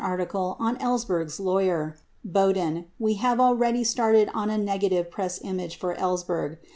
14 article on Ellsberg's lawyer, Boudin, we have already started on a negative press image for Ellsberg.